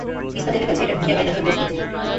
স্থানীয়দের কাছে এট ভূঁইয়া বাড়ি নামেও বেশ পরিচিত।